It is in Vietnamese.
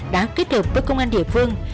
đã kết hợp với công an địa phương